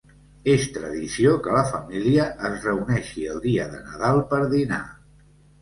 És tradició que la família es reuneixi el dia de Nadal per dinar.